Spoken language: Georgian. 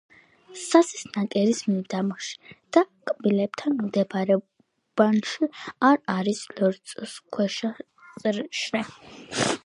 სასის ნაკერის მიდამოში და კბილებთან მიმდებარე უბნებში არ არის ლორწოსქვეშა შრე.